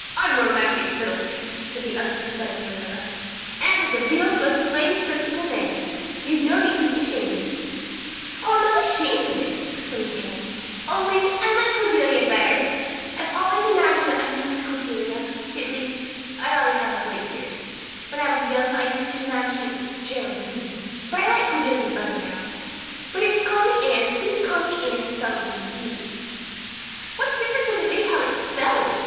"Unromantic fiddlesticks!" said the unsympathetic Marilla. "Anne is a real good plain sensible name. You've no need to be ashamed of it." "Oh, I'm not ashamed of it," explained Anne, "only I like Cordelia better. I've always imagined that my name was Cordelia at least, I always have of late years. When I was young I used to imagine it was Geraldine, but I like Cordelia better now. But if you call me Anne please call me Anne spelled with an E." "What difference does it make how it's spelled?"